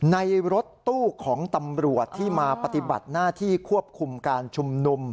ในรถตู้ของตำรวจที่มาปฏิบัติหน้าที่ควบคุมการชุมนุม